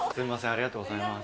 ありがとうございます。